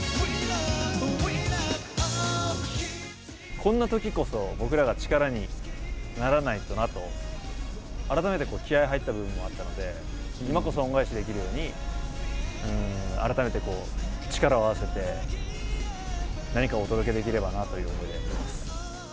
こんなときこそ僕らが力にならないとなと、改めて、気合いが入った部分もあったので、今こそ恩返しできるように、改めて力を合わせて、何かをお届けできればなという思いでいます。